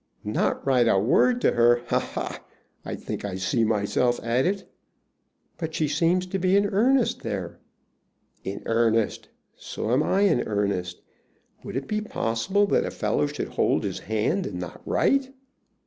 "Not write a word to her! Ha, ha! I think I see myself at it!" "But she seems to be in earnest there." "In earnest! And so am I in earnest. Would it be possible that a fellow should hold his hand and not write?